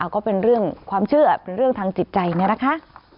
ก็เป็นเรื่องความเชื่อเป็นเรื่องทางจิตใจเนี่ยนะคะ